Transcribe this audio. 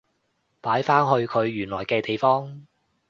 擺返去佢原來嘅地方